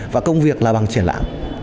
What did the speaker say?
và công việc là bằng triển lãng